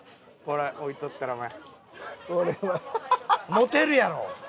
モテるやろ！